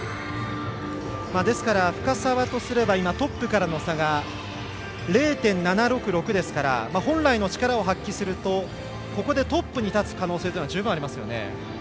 ですから深沢とすればトップからの差が０．７６６ですから本来の力を発揮するとここでトップに立つ可能性も十分ありますね。